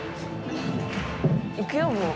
行くよもう。